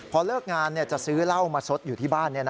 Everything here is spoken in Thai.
พอเลิกงานจะซื้อเหล้ามาซดอยู่ที่บ้าน